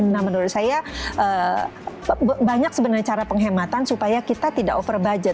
nah menurut saya banyak sebenarnya cara penghematan supaya kita tidak over budget